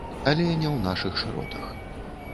Але не ў нашых шыротах.